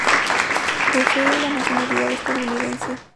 Posee la nacionalidad estadounidense.